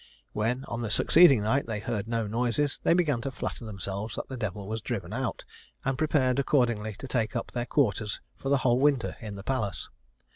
When, on the succeeding night, they heard no noises, they began to flatter themselves that the devil was driven out, and prepared accordingly to take up their quarters for the whole winter in the palace.